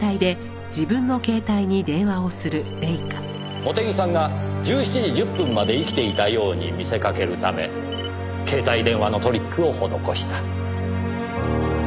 茂手木さんが１７時１０分まで生きていたように見せかけるため携帯電話のトリックを施した。